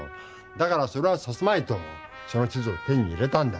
だからそれはさせまいとその地図を手に入れたんだ。